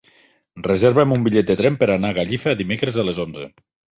Reserva'm un bitllet de tren per anar a Gallifa dimecres a les onze.